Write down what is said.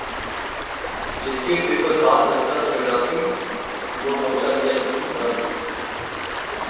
जिसके सिर पर हाथ रखता था गद्दाफी, वो पहुंचा दी जाती थी हरम में